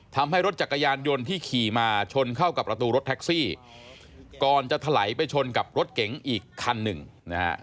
ทำให้รถจักรยานยนต์ที่ขี่มาชนเข้ากับประตูรถแท็กซี่ก่อนจะถลายไปชนกับรถเก๋งอีกคันหนึ่งนะฮะ